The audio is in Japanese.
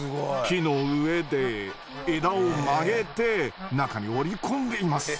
木の上で枝を曲げて中に折り込んでいます。